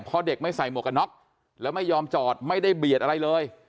เพราะเด็กไม่ใส่หมวกกันน็อกแล้วไม่ยอมจอดไม่ได้เบียดอะไรเลย